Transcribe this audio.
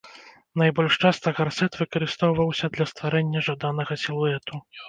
Найбольш часта гарсэт выкарыстоўваўся для стварэння жаданага сілуэту.